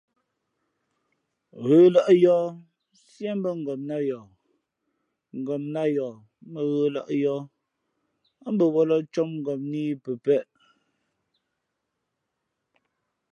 Ghə̌lᾱʼ yǒh siēmbᾱ ngopnā yoh, ngopnā yoh mᾱ ghə̌lᾱʼ yǒh, ά mbαwᾱlᾱ cōp ngopnā ī pəpēʼ.